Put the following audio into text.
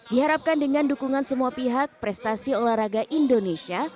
diharapkan dengan dukungan semua pihak prestasi olahraga indonesia